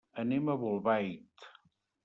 Anem a Bolbait.